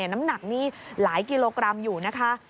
น้ำหนักนี่หลายกิโลกรัมอยู่นะคะ